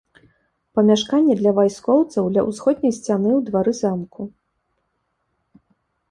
Памяшканні для вайскоўцаў ля ўсходняй сцяны ў двары замку.